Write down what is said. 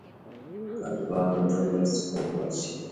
طالبان له تور لیست څخه وباسي.